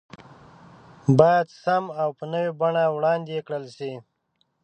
بايد سم او په نوي بڼه وړاندې کړل شي